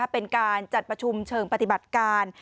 เป็นการจัดประชุมเชิงปฏิบัติการ